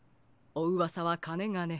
おうわさはかねがね。